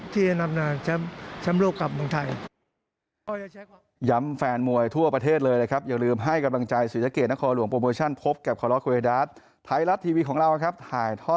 ที่จะนำแชมป์โลกกลับเมืองไทย